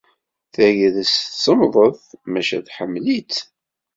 Tagrest semmḍet, maca tḥemmel-itt.